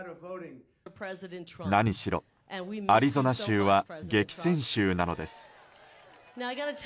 何しろアリゾナ州は激戦州なのです。